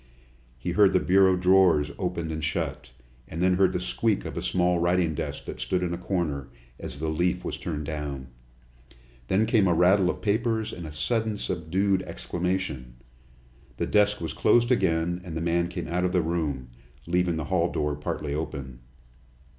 He heard the bureau drawers opened and shut, and then heard the squeak of a small writing desk that stood in a corner, as the leaf was turned down. Then came a rattle of papers and a sudden subdued exclamation. The desk was closed again, and the man came out of the room, leaving the hall door partly open.